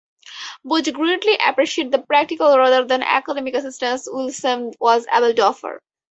Bugge greatly appreciate the practical rather than academic assistance Willumsen was able to offer.